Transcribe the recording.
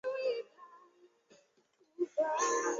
这就意味着推力应达到以上的范围。